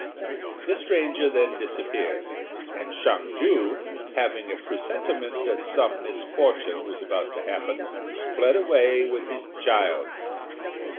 The stranger then disappeared, and Hsiang ju, having a presentiment that some misfortune was about to happen, fled away with his child.